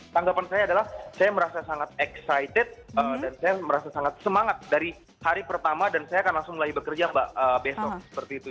tanggapan saya adalah saya merasa sangat excited dan saya merasa sangat semangat dari hari pertama dan saya akan langsung mulai bekerja mbak besok seperti itu